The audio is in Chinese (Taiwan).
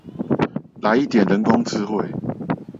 來一點人工智慧